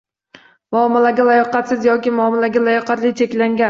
Muomalaga layoqatsiz yoki muomala layoqati cheklangan